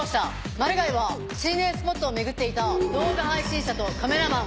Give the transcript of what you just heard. マルガイは心霊スポットを巡っていた動画配信者とカメラマン。